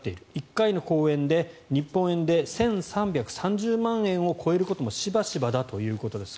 １回の講演で日本円で１３３０万円を超えることもしばしばだということです。